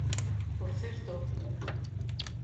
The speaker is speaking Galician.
_Por certo...